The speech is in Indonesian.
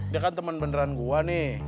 dia kan temen beneran gue nih